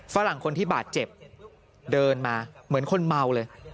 ฝรั่งคนที่บาดเจ็บเดินมาเหมือนคนเมาเลย